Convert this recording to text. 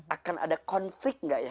akan ada konflik gak ya